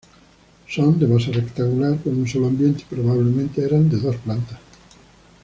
Son de base rectangular con un solo ambiente y probablemente eran de dos plantas.